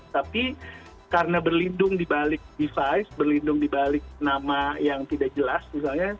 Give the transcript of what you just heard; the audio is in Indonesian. jadi karena berlindung dibalik device berlindung dibalik nama yang tidak jelas misalnya